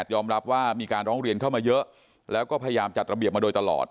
ยอมรับว่ามีการร้องเรียนเข้ามาเยอะแล้วก็พยายามจัดระเบียบมาโดยตลอด